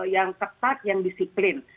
prokes yang tetap yang disiplin